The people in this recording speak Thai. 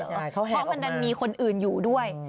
เขาแหกออกมาเพราะมันดันมีคนอื่นอยู่ด้วย